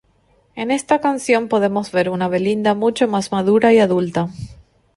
En esta canción podemos ver una Belinda mucho más madura y adulta.